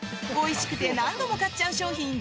おいしくて何度も買っちゃう商品